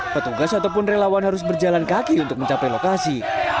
petugas ataupun relawan harus berjalan kaki untuk mencapai lokasi